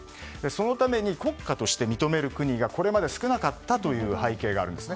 そのために国家として認める国がこれまで少なかったという背景があります。